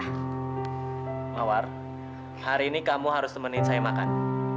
pak awar hari ini kamu harus temenin saya makan